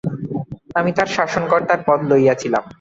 আমি তার শাসনকর্তার পদ লইয়াছিলাম।